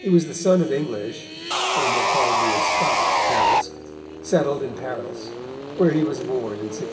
He was the son of English, or more probably of Scotch parents settled in Paris, where he was born in 1687.